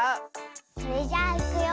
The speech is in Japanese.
それじゃあいくよ。